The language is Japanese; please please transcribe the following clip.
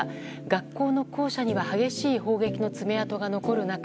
学校の校舎には激しい砲撃の爪痕が残る中